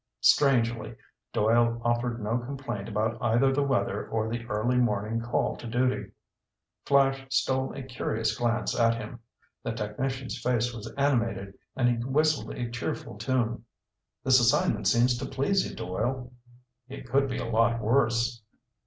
Strangely, Doyle offered no complaint about either the weather or the early morning call to duty. Flash stole a curious glance at him. The technician's face was animated and he whistled a cheerful tune. "This assignment seems to please you, Doyle." "It could be a lot worse."